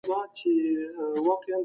ما د سيد قطب کتابونه هم ولوستل.